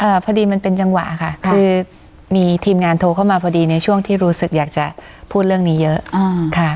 พอดีมันเป็นจังหวะค่ะคือมีทีมงานโทรเข้ามาพอดีในช่วงที่รู้สึกอยากจะพูดเรื่องนี้เยอะอ่าค่ะ